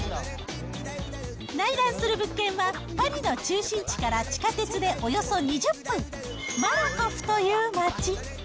内覧する物件は、パリの中心地から地下鉄でおよそ２０分、マラコフという街。